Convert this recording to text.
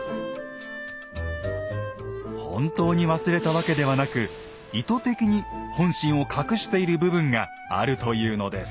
本当に忘れたわけではなく意図的に本心を隠している部分があるというのです。